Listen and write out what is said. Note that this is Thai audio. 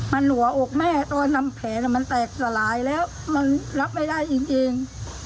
มันหัวอกแม่ตอนนำแผลมันแตกสลายแล้วมันรับไม่ได้จริง